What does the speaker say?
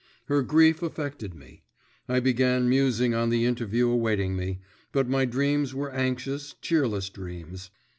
Her grief affected me; I began musing on the interview awaiting me, but my dreams were anxious, cheerless dreams.